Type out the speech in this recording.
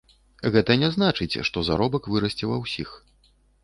Гэта не значыць, што заробак вырасце ва ўсіх.